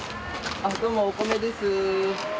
どうもお米です。